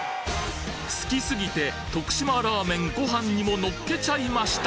好きすぎて徳島ラーメンご飯にものっけちゃいました！